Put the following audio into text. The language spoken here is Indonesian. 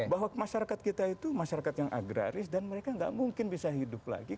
bahwa masyarakat kita itu masyarakat yang agraris dan mereka nggak mungkin bisa hidup lagi